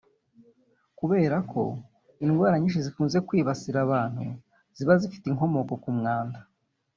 Kubera ko indwara nyinshi zikunze kwibasira abantu ziba zifite inkomoko ku mwanda